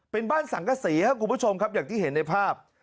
เป็นบ้านสังกษีครับคุณผู้ชมครับอย่างที่เห็นในภาพ